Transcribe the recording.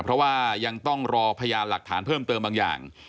เพราะว่ายังต้องรอพยานหลักฐานเพิ่มเติมบางอย่าง